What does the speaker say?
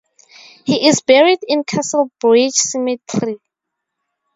He is buried in Castlebridge cemetery.